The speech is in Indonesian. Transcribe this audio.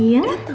hanteng lah dia